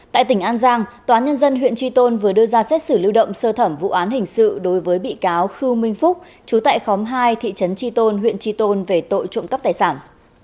tại tỉnh an giang tòa nhân dân huyện tri tôn vừa đưa ra xét xử lưu động sơ thẩm vụ án hình sự đối với bị cáo khưu minh phúc chú tại khóm hai thị trấn tri tôn huyện tri tôn về tội trộm cắp tài sản